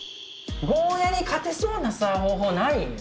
ゴーヤに勝てそうな方法ない？